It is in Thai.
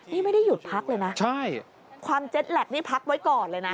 นี่ไม่ได้หยุดพักเลยนะใช่ความเจ็ดแล็กนี่พักไว้ก่อนเลยนะ